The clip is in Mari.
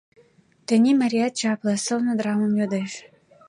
Тений марият чапле, сылне драмым йодеш.